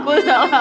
aku salah apa